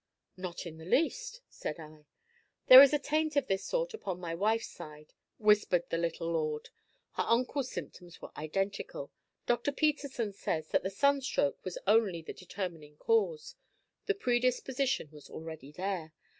"Not in the least," said I. "There is a taint of this sort upon my wife's side," I whispered the little lord; "her uncle's symptoms were identical. Dr. Peterson says that the sunstroke was only the determining cause. The predisposition was already there.